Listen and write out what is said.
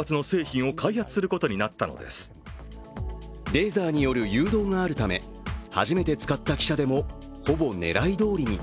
レーザーによる誘導があるため初めて使った記者でもほぼ狙いどおりに。